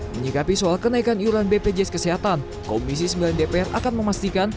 menyikapi soal kenaikan iuran bpjs kesehatan komisi sembilan dpr akan memastikan